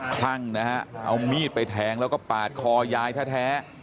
คลั่งนะฮะเอามีดไปแทงแล้วก็ปาดคอยายแท้